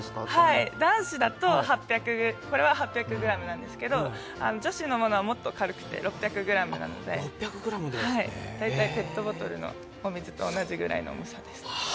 はい、男子だと８００ｇなんですけど女子のものはもっと軽くて６００ｇなので大体ペットボトルのお水と同じくらいの重さですね。